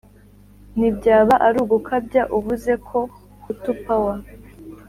ntibyaba ari ugukabya uvuze ko hutu pawa